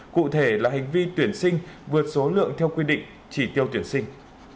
cụ thể là hành vi tuyển sinh vượt số lượng theo quy định chỉ tiêu tuyển sinh